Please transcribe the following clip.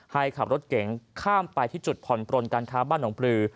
ให้ขับรถเก๋งข้ามไปที่จุดผ่อนปลนการค้าบ้านหนองปลือ